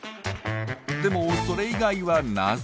でもそれ以外は謎。